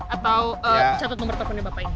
atau catat nomor teleponnya bapak ini